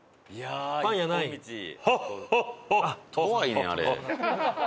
怖いねんあれ。